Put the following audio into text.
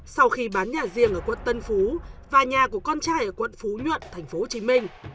sau khi bán nhà riêng ở quận tân phú và nhà của con trai ở quận phú nhuận thành phố hồ chí minh